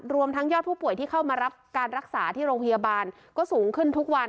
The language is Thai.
รวมทั้งยอดผู้ป่วยที่เข้ามารับการรักษาที่โรงพยาบาลก็สูงขึ้นทุกวัน